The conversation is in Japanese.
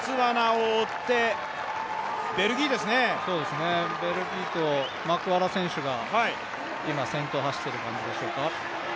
ベルギーとマクワラ選手が先頭を走っている感じでしょうか。